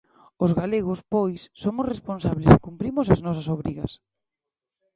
Os galegos, pois, somos responsables e cumprimos as nosas obrigas.